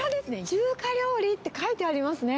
中華料理って書いてありますね。